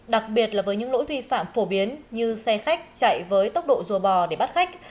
đặc biệt là với những lỗi vi phạm phổ biến như xe khách chạy với tốc độ rùa bò để bắt khách